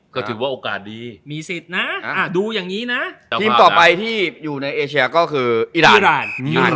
ก็ถือว่าโอกาสดีมีสิทธิ์นะดูอย่างนี้นะทีมต่อไปที่อยู่ในเอเชียก็คืออิราณอีราน